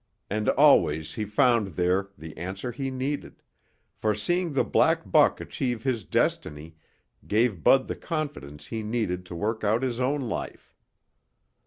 And always he found there the answer he needed, for seeing the black buck achieve his destiny gave Bud the confidence he needed to work out his own life.